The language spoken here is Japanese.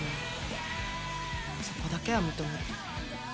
そこだけは認める。